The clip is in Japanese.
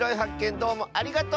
どうもありがとう！